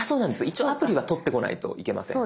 一応アプリは取ってこないといけません。